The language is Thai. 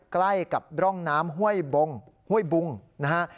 ใกล้กับร่องน้ำห้วยบงห้วยบุงนะฮะ